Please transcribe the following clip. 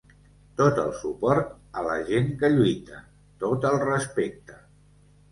Tot el suport a la gent que lluita, tot el respecte.